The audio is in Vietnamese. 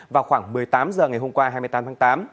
vào khoảng một mươi tám h ngày hôm qua hai mươi tám tháng tám